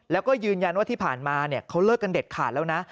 แล้วก็ยืนยันว่าที่ผ่านมาเขาเลิกกันเด็ดขาดแล้วนะ